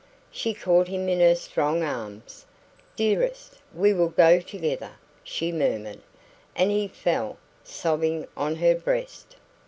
She caught him in her strong arms. "Dearest, we will go together," she murmured. And he fell, sobbing, on her breast.